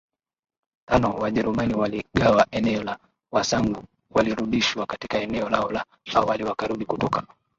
tano Wajerumani waligawa eneo lao Wasangu walirudishwa katika eneo lao la awali wakarudi kutoka